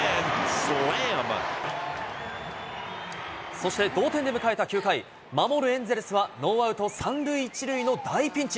そして、同点で迎えた９回、守るエンゼルスはノーアウト３塁１塁の大ピンチ。